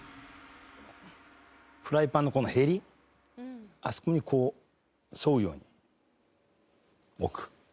フライパンのこのへりあそこにこう沿うように置く。